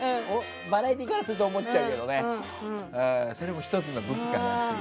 バラエティーからするとそう思っちゃうけどそれも１つの武器かなって。